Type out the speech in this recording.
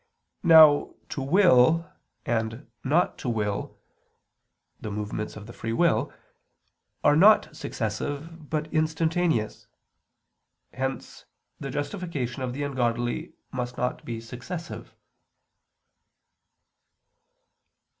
Now to will and not to will the movements of the free will are not successive, but instantaneous. Hence the justification of the ungodly must not be successive.